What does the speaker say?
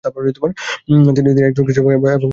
তিনি একজন কৃষক এবং সাগর জেলার বাসিন্দা।